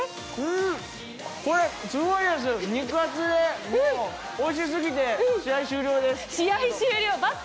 肉厚でおいしすぎて試合終了です。